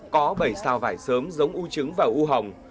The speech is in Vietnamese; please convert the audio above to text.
có bảy sao vải sớm giống u trứng và u hồng